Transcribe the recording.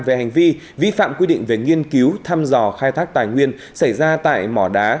về hành vi vi phạm quy định về nghiên cứu thăm dò khai thác tài nguyên xảy ra tại mỏ đá